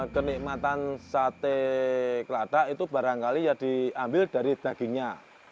kenikmatan sate keladak itu barangkali ya diambil dari dagingnya